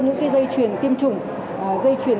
những cái dây chuyền tiêm chủng dây chuyền